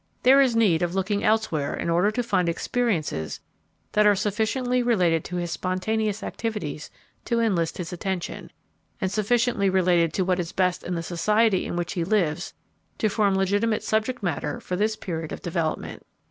There is need of looking elsewhere in order to find experiences that are sufficiently related to his spontaneous activities to enlist his attention, and sufficiently related to what is best in the society in which he lives to form legitimate subject matter for this period of development.